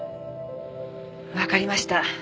わかりました。